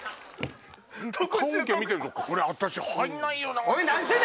棺桶見てるとこれ私入んないよな！